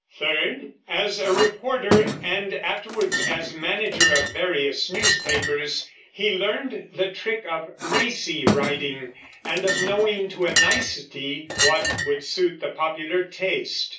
Third, as a reporter, and afterwards as manager of various newspapers, he learned the trick of racy writing, and of knowing to a nicety what would suit the popular taste.